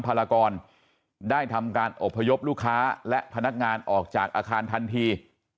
พารากรได้ทำการอบพยพลูกค้าและพนักงานออกจากอาคารทันที